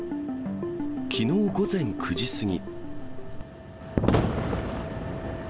きのう午前９時過ぎ。